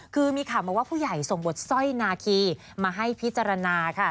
คือมีข่าวมาว่าผู้ใหญ่ส่งบทสร้อยนาคีมาให้พิจารณาค่ะ